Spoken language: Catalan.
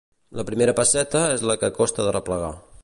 La primera pesseta és la que costa d'arreplegar.